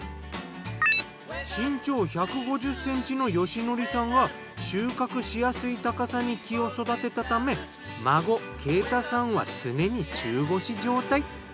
身長１５０ｃｍの芳則さんが収穫しやすい高さに木を育てたため孫慶太さんは常に中腰状態。